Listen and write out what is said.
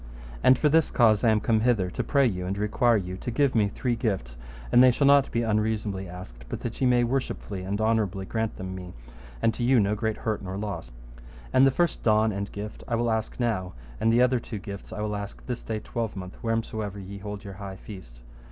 And for this cause I am come hither, to pray you and require you to give me three gifts, and they shall not be unreasonably asked, but that ye may worshipfully and honourably grant them me, and to you no great hurt nor loss. And the first don and gift I will ask now, and the other two gifts I will ask this day twelvemonth, wheresomever ye hold your high feast.